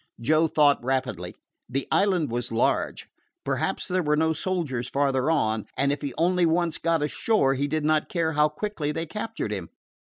Joe thought rapidly. The island was large. Perhaps there were no soldiers farther on, and if he only once got ashore he did not care how quickly they captured him.